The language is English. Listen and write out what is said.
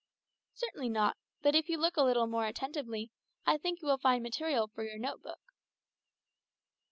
"Certainly not; but if you look a little more attentively, I think you will find material for your note book."